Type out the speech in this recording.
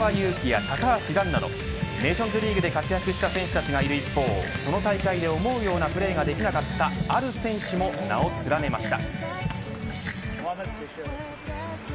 そのスタメンには石川祐希や高橋藍などネーションズリーグで活躍した選手たちがいる一方その大会で思うようなプレーができなかったある選手も名を連ねました。